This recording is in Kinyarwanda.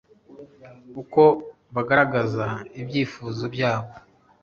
uko bagaragaza ibyifuzo byabo